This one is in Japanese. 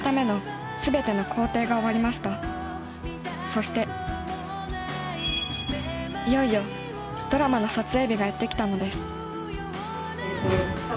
そしていよいよドラマの撮影日がやって来たのですえっと